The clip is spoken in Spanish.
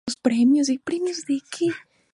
Fueron emboscados.